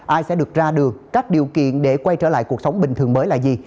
ai sẽ được ra đường các điều kiện để quay trở lại cuộc sống bình thường mới là gì